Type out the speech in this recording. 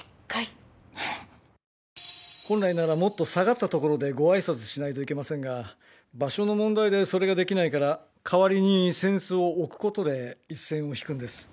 本来ならもっと下がったところでご挨拶しないといけませんが場所の問題でそれができないから代わりに扇子を置くことで一線を引くんです。